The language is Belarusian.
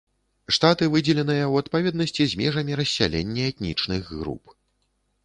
Штаты выдзеленыя ў адпаведнасці з межамі рассялення этнічных груп.